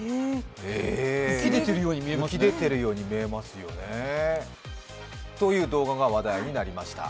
浮きでてるように見えますよね。という動画が話題になりました。